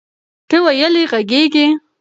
ته ویلې غږیږي؟